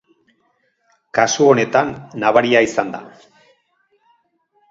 Kasu honetan, nabaria izan da.